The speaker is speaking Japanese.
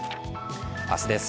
明日です。